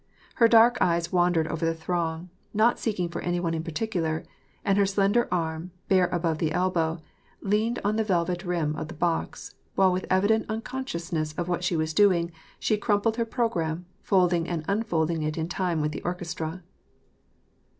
Her dark eyes wandered over the throng, not seeking for any one in particular, and her slender arm, bare above the elbow, leaned on the velvet rim of the box, while, with evident unconsciousness of what she was doing, she crumpled her programme, folding and unfolding it in time with the orchestra.